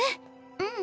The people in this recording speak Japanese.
うん。